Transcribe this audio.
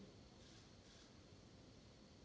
jangan kehilangan fokus di bidang ini